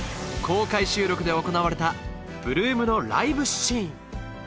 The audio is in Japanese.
公開収録で行われた８ＬＯＯＭのライブシーン